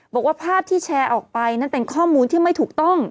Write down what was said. บอกว่าภาพที่แชร์ออกไปนั่นเป็นข้อมูลที่ไม่ถูกต้อง